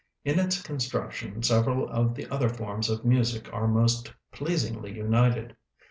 In its construction several of the other forms of music are most pleasingly united.